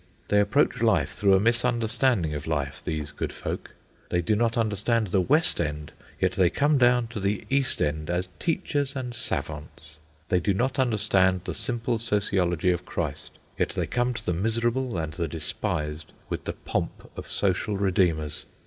They approach life through a misunderstanding of life, these good folk. They do not understand the West End, yet they come down to the East End as teachers and savants. They do not understand the simple sociology of Christ, yet they come to the miserable and the despised with the pomp of social redeemers.